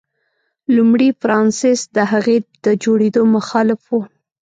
لومړي فرانسیس د هغې د جوړېدو مخالف و.